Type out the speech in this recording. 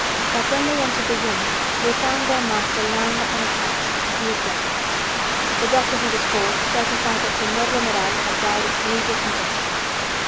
That when they entered the room they found their master lying upon a couch, and he was dead. The doctor who was called certified that Señor Romeral had died of cerebral congestion.